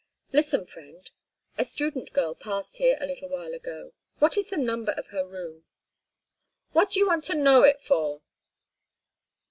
"Listen, friend, a student girl passed here a little while ago—what is the number of her room?" "What do you want to know it for?"